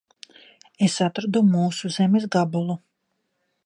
Es atradu mūsu zemes gabalu.